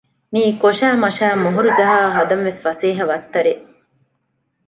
މީ ކޮށައި މަށައި މޮހޮރުޖަހާ ހަދަން ވެސް ފަސޭހަ ވައްތަރެއް